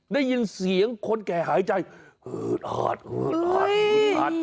ได้ยินเสียงคนแก่หายใจอืดอาดอืดอาดอึดอัด